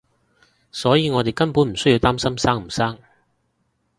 所以我哋根本唔需要擔心生唔生